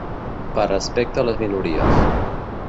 Per respecte a les minories.